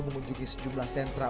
memunjungi sejumlah sentra